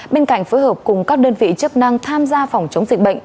bên cạnh phối hợp cùng các đơn vị chức năng tham gia phòng chống dịch bệnh